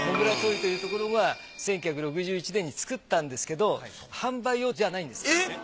野村トーイというところが１９６１年に作ったんですけど販売用じゃないんです。え？